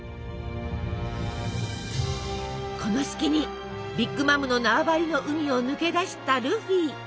この隙にビッグ・マムの縄張りの海を抜け出したルフィ。